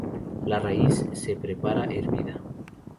La raíz se prepara hervida.